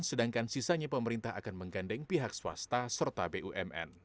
sedangkan sisanya pemerintah akan menggandeng pihak swasta serta bumn